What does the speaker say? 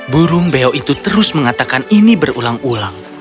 burung beo itu terus mengatakan ini berulang ulang